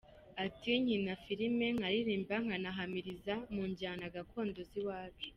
Ati “ Nkina film, nkaririmba, nkanahamiriza mu njyana gakondo z’iwacu.